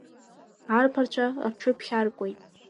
Арԥарцәа рҽыԥхьаркуеит…